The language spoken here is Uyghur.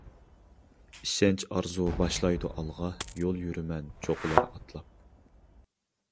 ئىشەنچ ئارزۇ باشلايدۇ ئالغا، يول يۈرىمەن چوققىلار ئاتلاپ.